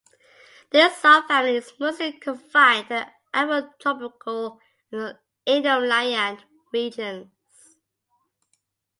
This subfamily is mostly confined to the Afrotropical and Indomalayan regions.